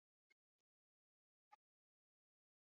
Horren ondorioz ukipen-bitarrek itxura arraroak izaten dituzte.